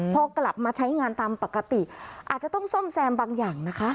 พอกลับมาใช้งานตามปกติอาจจะต้องซ่อมแซมบางอย่างนะคะ